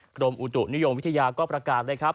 กรมอุตุนิยมวิทยาก็ประกาศเลยครับ